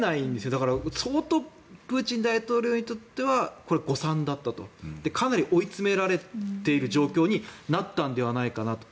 だから、相当プーチン大統領にとってはこれは誤算だったと。かなり追い詰められている状況になったのではないかと。